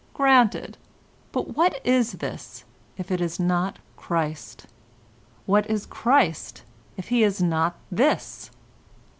Granted, but what is this if it is not Christ? What is Christ if He is not this?